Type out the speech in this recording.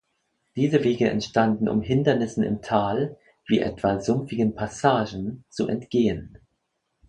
Diese Wege entstanden, um Hindernissen im Tal, wie etwa sumpfigen Passagen, zu entgehen.